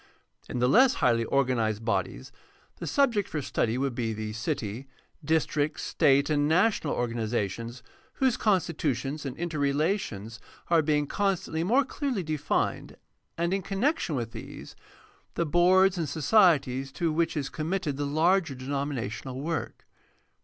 In the less highly organized bodies the subjects for study would be the city, district, state, and national organizations, whose constitutions and interrelations are being constantly more clearly defined, and, in connection with these, the boards and societies to which is committed the larger denominational work.